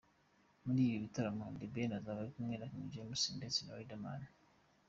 Muri ibi bitaramo, The Ben azaba ari kumwe na King James ndetse na Riderman.